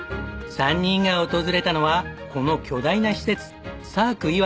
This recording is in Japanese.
３人が訪れたのはこの巨大な施設ＳＡＣ磐田。